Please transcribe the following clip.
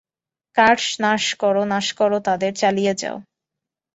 Curse নাশ করো, নাশ করো তাদের, চালিয়ো যাও!